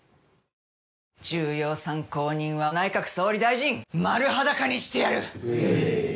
重要参考人は内閣総理大臣丸裸にしてやる！